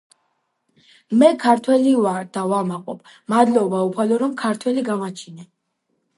მე ქართველი ვარ და ვამაყობ, მადლობა უფალო რომ ქართველი გამაჩინე!